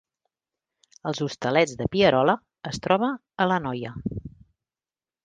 Els Hostalets de Pierola es troba a l’Anoia